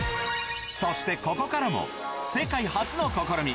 そしてここからも世界初の試み！